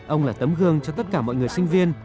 ông là tấm gương cho tất cả mọi người sinh viên